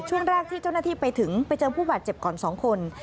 ช่วงแรกที่เจ้าหน้าที่ไปถึงไปเจอผู้บาดเจ็บก่อน๒คน